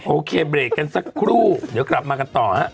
โอเคเบรกกันสักครู่เดี๋ยวกลับมากันต่อฮะ